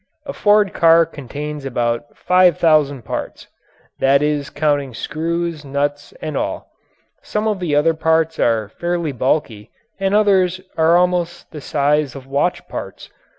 A Ford car contains about five thousand parts that is counting screws, nuts, and all. Some of the parts are fairly bulky and others are almost the size of watch parts.